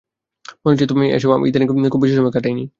মনে হচ্ছে যেন তুমি আর আমি ইদানীং একসাথে খুব বেশি সময় কাটাইনি।